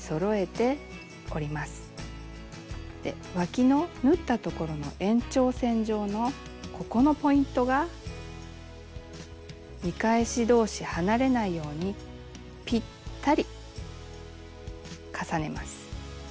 でわきの縫ったところの延長線上のここのポイントが見返し同士離れないようにぴったり重ねます。